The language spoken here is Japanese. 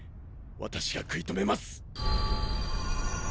私がくい止めます！